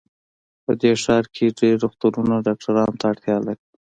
په دې ښار کې ډېر روغتونونه ډاکټرانو ته اړتیا لري